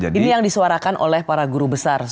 ini yang disuarakan oleh para guru besar